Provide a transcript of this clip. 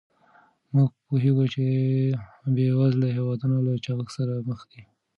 موږ پوهیږو چې بې وزلي هېوادونه له چاغښت سره مخ دي.